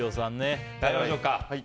食べましょうか。